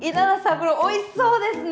これおいしそうですね。